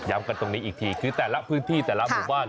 กันตรงนี้อีกทีคือแต่ละพื้นที่แต่ละหมู่บ้าน